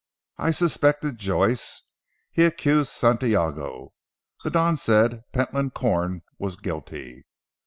I suspected Joyce. He accused Santiago. The Don said Pentland Corn was guilty.